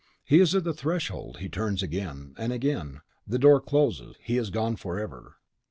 He is at the threshold, he turns again, and again. The door closes! He is gone forever!